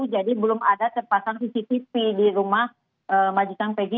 belum ada terpasang cctv di rumah majikan pg